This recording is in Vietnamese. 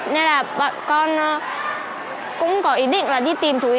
nên là bọn con cũng có ý định là đi tìm chú ý